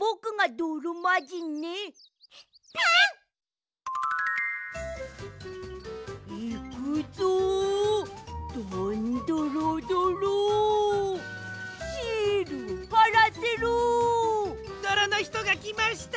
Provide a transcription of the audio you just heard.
どろのひとがきました！